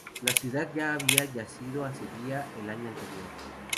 La ciudad ya había ya sido asediada el año anterior.